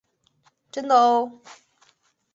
真的喔！